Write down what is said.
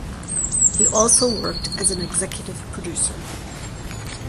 He has also worked as an executive producer.